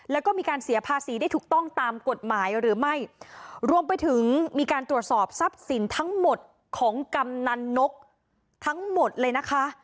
แล้วก็มีการเสียภาษีได้ถูกต้องตามกฎหมายหรือไม่รวมไปถึงมีการตรวจสอบทรัพย์สินทั้งหมดของกำนันนกทั้งหมดเลยนะคะ